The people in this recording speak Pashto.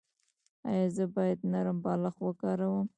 ایا زه باید نرم بالښت وکاروم؟